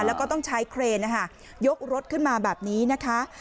แล้วก็ต้องใช้เครนนะคะยกรถขึ้นมาแบบนี้นะคะ